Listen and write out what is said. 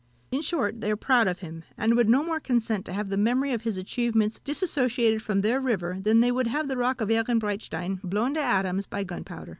In short, they are proud of him, and would no more consent to have the memory of his achievements dissociated from their river than they would have the rock of Ehrenbreitstein blown to atoms by gunpowder.